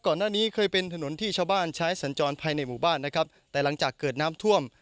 ก่อนหน้านี้เคยเป็นถนนที่ชาวบ้านใช้สัญจรภายในหมู่บ้านนะครับแต่หลังจากเกิดน้ำท่วม